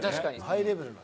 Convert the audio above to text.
ハイレベルな。